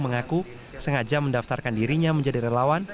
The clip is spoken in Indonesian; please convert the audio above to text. mengaku sengaja mendaftarkan dirinya menjadi relawan